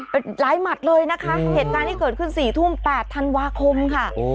เป็นหลายหมัดเลยนะคะเหตุการณ์ที่เกิดขึ้น๔ทุ่ม๘ธันวาคมค่ะ